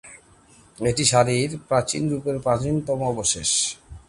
এটি শাড়ির প্রাচীন রূপের প্রাচীনতম অবশেষ।